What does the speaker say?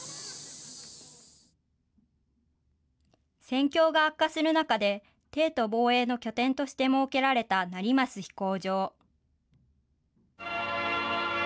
戦況が悪化する中で帝都防衛の拠点として設けられた成増飛行場。